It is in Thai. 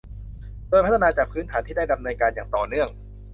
โดยพัฒนาจากพื้นฐานที่ได้ดำเนินการอย่างต่อเนื่อง